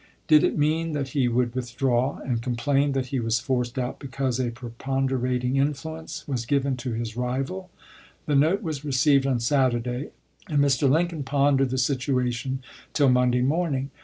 Did it mean that he would withdraw and complain that he was forced out because a preponderating influence was given to his rival 1 The note was received on Saturday, and Mr. Lincoln pondered the situation till Monday morning.